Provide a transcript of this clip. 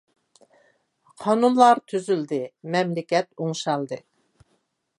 قانۇنلا تۈزۈلدى مەملىكەت ئوڭشالدى.